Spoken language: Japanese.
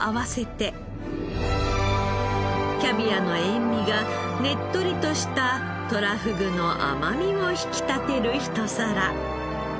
キャビアの塩味がねっとりとしたトラフグの甘みを引き立てるひと皿。